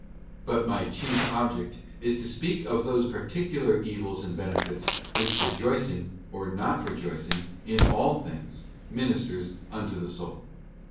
But my chief object is to speak of those particular evils and benefits which rejoicing, or not rejoicing, in all things, ministers unto the soul.